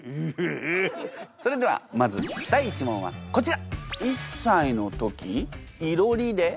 それではまず第１問はこちら。